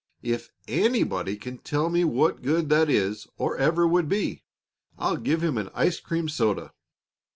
If anybody can tell me what good that is or ever would be, I'll give him an ice cream soda.